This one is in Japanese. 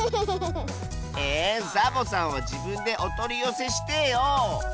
えサボさんはじぶんでおとりよせしてよ。